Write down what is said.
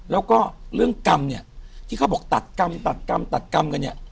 แล้วก็เรื่องกรรมเนี่ยที่เขาบอกตัดกรรมตัดกรรมตัดกรรมกันเนี่ย